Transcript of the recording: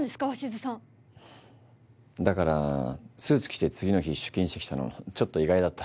うんだからスーツ着て次の日出勤してきたのちょっと意外だった。